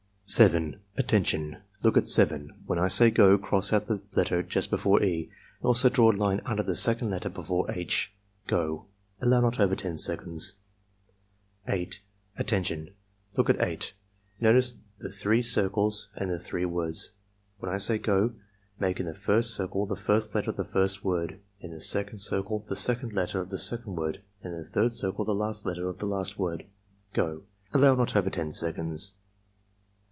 7. *' Attention! Look at 7. When I say 'go' cross oul the letter just before E and also draw a line under the second letter before H. — Go!'' (Allow not over 10 seconds.) 8. "Attention! Look at 8. Notice the three circles and the three words. When I say 'go' make in the^rs^ circle the^rs^ letter of the first word; in the second circle the second letter of the second word, and in the third circle the last letter of the last word. — Go!" (Allow not over 10 seconds.)